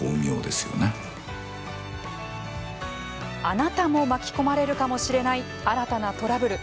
あなたも巻き込まれるかもしれない新たなトラブル。